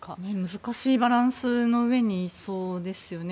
難しいバランスの上にいそうですよね。